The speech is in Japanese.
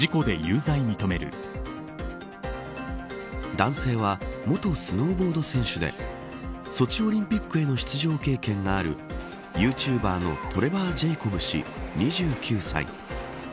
男性は、元スノーボード選手でソチオリンピックへの出場経験があるユーチューバーのトレバー・ジェイコブ氏２９歳。